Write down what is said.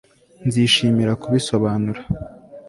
Nzishimira kubisobanura